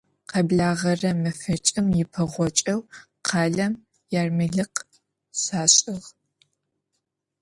Къэблэгъэрэ мэфэкӀым ипэгъокӀэу къалэм ермэлыкъ щашӀыгъ.